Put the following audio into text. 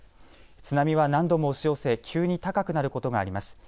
津波は何度も押し寄せ急に高くなることがあります。